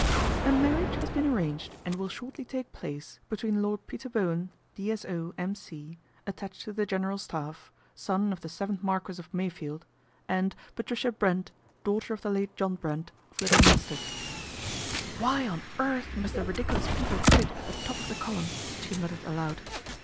" A marriage has been arranged and will shortly take place between Lord Peter Bowen, D.S.O., M.C., attached to the General Staff, son of the yth Marquess of Meyfield, and Patricia Brent, daughter of the late John Brent, of Little Milstead " 164 PATRICIA BRENT, SPINSTER ' Why on earth must the ridiculous people put it at the top of the column? " she muttered aloud.